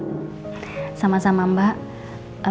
mbak aku minta alamat mbak ya